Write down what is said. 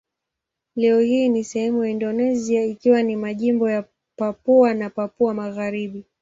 Leo hii ni sehemu ya Indonesia ikiwa ni majimbo ya Papua na Papua Magharibi.